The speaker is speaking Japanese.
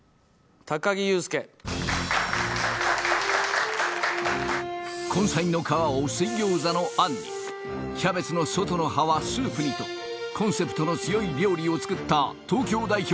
木祐輔根菜の皮を水餃子の餡にキャベツの外の葉はスープにとコンセプトの強い料理を作った東京代表